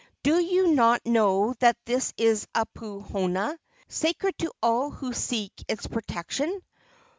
"Do you not know that this is a puhonua, sacred to all who seek its protection?